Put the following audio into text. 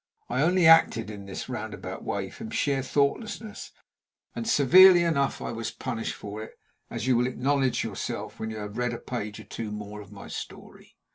I only acted in this roundabout way from sheer thoughtlessness, and severely enough I was punished for it, as you will acknowledge yourself when you have read a page or two more of my story.